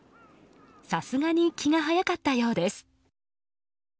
さすがに気が早かったようです。